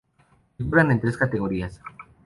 Figuran en tres categorías.